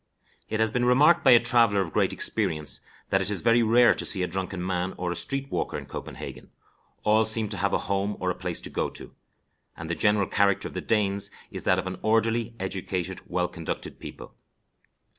It has been remarked by a traveler of great experience that it is very rare to see a drunken man or a street walker in Copenhagen; all seem to have a home or a place to go to, and the general character of the Danes is that of an orderly, educated, well conducted people.